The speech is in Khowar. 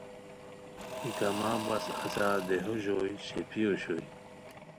ای کمہ بس اچہ دیہو ژوئے شیپھی اوشوئے